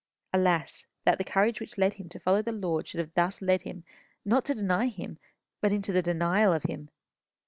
Alas, that the courage which led him to follow the Lord should have thus led him, not to deny him, but into the denial of him!